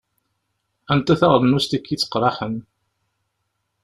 Anta taɣennust i yetteqṛaḥen?